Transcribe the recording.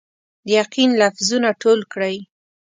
د یقین لفظونه ټول کړئ